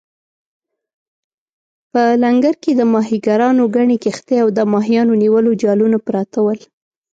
په لنګر کې د ماهیګیرانو ګڼې کښتۍ او د ماهیانو نیولو جالونه پراته ول.